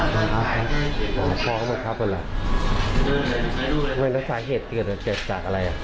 โดนพ่อติดอ๋อพ่อก็บังคับกันแหละแล้วสาเหตุเกิดจากอะไรอ่ะ